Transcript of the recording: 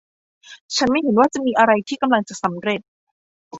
ฉันไม่เห็นว่าจะมีอะไรที่กำลังจะสำเร็จ